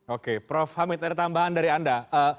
oke prof hamid ada tambahan dari anda